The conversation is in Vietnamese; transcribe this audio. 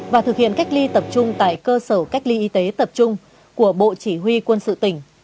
và thực hiện cách ly tập trung tại cơ sở cách ly y tế tập trung của bộ chỉ huy quân sự tỉnh